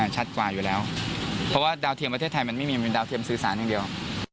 ชัดกว่าอยู่แล้วเพราะว่าดาวเทียมประเทศไทยมันไม่มีดาวเทียมสื่อสารอย่างเดียว